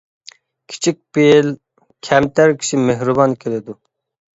كىچىك پېئىل، كەمتەر كىشى مېھرىبان كېلىدۇ.